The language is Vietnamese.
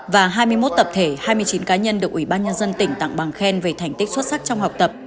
và hai mươi một tập thể hai mươi chín cá nhân được ủy ban nhân dân tỉnh tặng bằng khen về thành tích xuất sắc trong học tập